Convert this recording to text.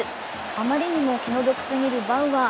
あまりにも気の毒すぎるバウアー。